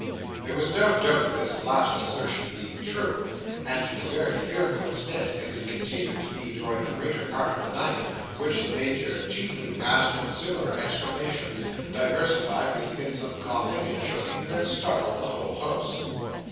There was no doubt of this last assertion being true, and to a very fearful extent; as it continued to be during the greater part of that night, which the Major chiefly passed in similar exclamations, diversified with fits of coughing and choking that startled the whole house.